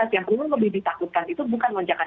yang perlu lebih ditakutkan itu bukan lonjakan